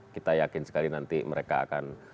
kita yakin sekali nanti mereka akan